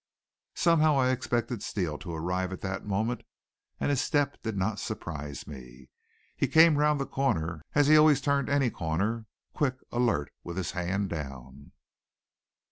Somehow I expected Steele to arrive at that moment, and his step did not surprise me. He came round the corner as he always turned any corner, quick, alert, with his hand down.